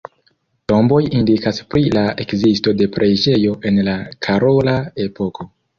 Tomboj indikas pri la ekzisto de preĝejo en la karola epoko.